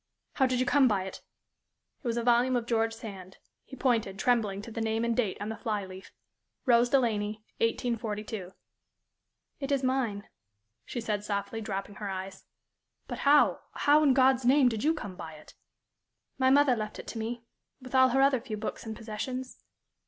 "How did you come by it?" It was a volume of George Sand. He pointed, trembling, to the name and date on the fly leaf "Rose Delaney, 1842." "It is mine," she said, softly, dropping her eyes. "But how how, in God's name, did you come by it?" "My mother left it to me, with all her other few books and possessions."